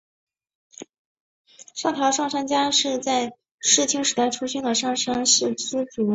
上条上杉家是在室町时代出现的上杉氏支族。